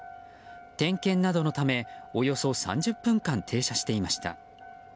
点検などのため、およそ３０分間停車していました。